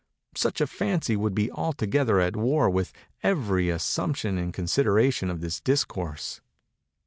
Such a fancy would be altogether at war with every assumption and consideration of this Discourse.